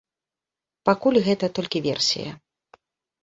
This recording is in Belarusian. Пакуль гэта толькі версія.